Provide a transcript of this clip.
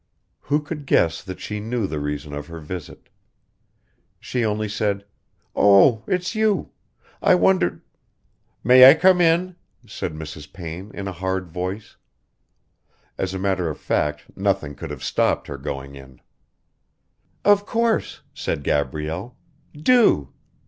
Who could guess that she knew the reason of her visit? She only said: "Oh ... it's you! I wondered...." "May I come in?" said Mrs. Payne in a hard voice. As a matter of fact nothing could have stopped her going in. "Of course," said Gabrielle. "Do...."